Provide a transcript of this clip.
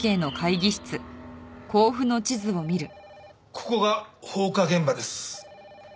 ここが放火現場です。